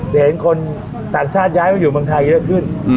เห็นคนต่างชาติย้ายมาอยู่เมืองไทยเยอะขึ้น